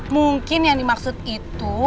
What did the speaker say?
mungkin yang dimaksud itu